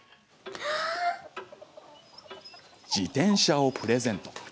自転車をプレゼント。